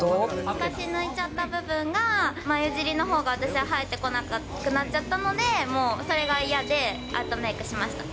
昔抜いちゃった部分が、眉尻のほうが私は生えてこなくなっちゃったので、もうそれが嫌で、アートメークしました。